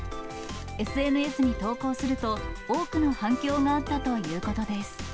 ＳＮＳに投稿すると、多くの反響があったということです。